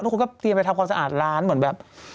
ทุกคนก็เตรียมไปทำความสะอาดร้านเหมือนแบบ